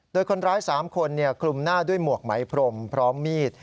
โดยคนร้าย๓คนคลุมหน้าด้วยหมวกไหมพรมพร้อมมีด